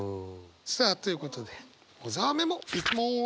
さあということで小沢メモいきます。